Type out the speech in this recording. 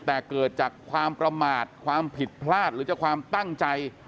แต่เกิดจากความประมาทความผิดพลาดหรือจากความตั้งใจ